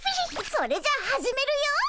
それじゃ始めるよ。